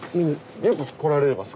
よく来られます？